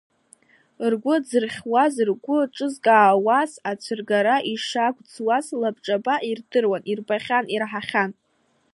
Ргәы дзырхьуаз, ргәы ҿызкаауаз ацәыргара ишақәӡуаз лабҿаба ирдыруан, ирбахьан, ираҳахьан.